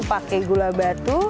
pake gula batu